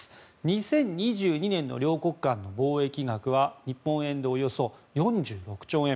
２０２２年の両国間の貿易額は日本円でおよそ４６兆円。